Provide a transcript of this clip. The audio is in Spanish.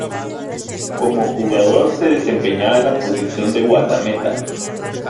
Como jugador se desempeñaba en la posición de guardameta.